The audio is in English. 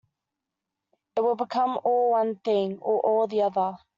It will become all one thing, or all the other.